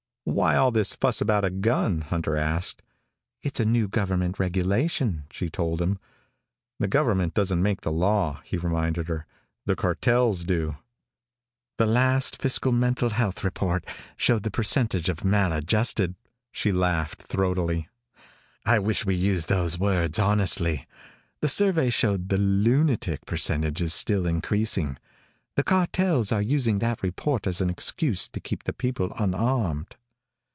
"Why all this fuss about a gun?" Hunter asked. "It's a new government regulation," she told him. "The government doesn't make the law," he reminded her. "The cartels do." "The last fiscal mental health report showed the percentage of maladjusted " She laughed throatily. "I wish we'd use words honestly! The survey showed the lunatic percentage is still increasing. The cartels are using that report as an excuse to keep the people unarmed."